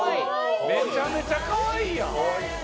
めちゃめちゃかわいいやん。